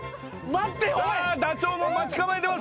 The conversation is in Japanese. さあダチョウも待ち構えてます。